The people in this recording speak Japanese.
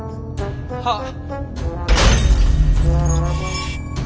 はっ！